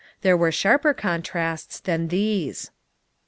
There were sharper contrasts than these.